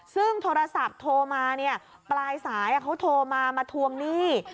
ซึ่งโทรศัพท์โทรมาเนี่ยปลายสายเขาโทรมามาทวงหนี้